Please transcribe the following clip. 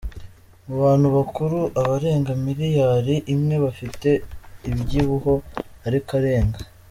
mu bantu bakuru abarenga miliyari imwe bafite ubyibuho ariko arenga